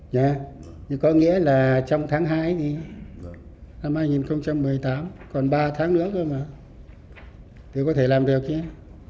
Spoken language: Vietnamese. thì có nghĩa là trong tháng hai thì năm hai nghìn một mươi tám còn ba tháng nữa thôi mà thì có thể làm được nhé